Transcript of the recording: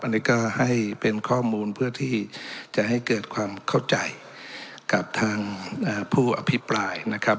อันนี้ก็ให้เป็นข้อมูลเพื่อที่จะให้เกิดความเข้าใจกับทางผู้อภิปรายนะครับ